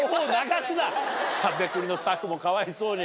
『しゃべくり』のスタッフもかわいそうに。